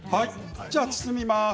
包みます。